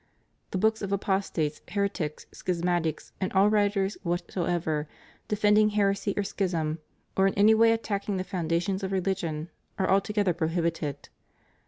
2. The books of apostates, heretics, schismatics, and all writers whatsoever, defending heresy or schism, or in any way attacking the foundations of religion, are altogether prohibited.